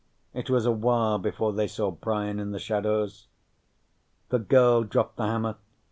It was a while before they saw Brian in the shadows. The girl dropped the hammer.